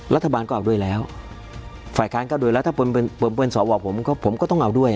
รัฐบาลก็เอาด้วยแล้วฝ่ายค้านก็ด้วยแล้วถ้าเป็นสวผมก็ผมก็ต้องเอาด้วย